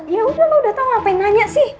ya udah lo udah tahu ngapain nanya sih